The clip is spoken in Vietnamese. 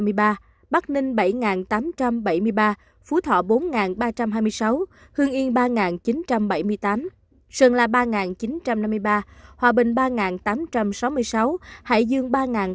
quảng ninh bảy tám trăm bảy mươi ba phú thọ bốn ba trăm hai mươi sáu hương yên ba chín trăm bảy mươi tám sơn lạ ba chín trăm năm mươi ba hòa bình ba tám trăm sáu mươi sáu hải dương ba bảy trăm chín mươi chín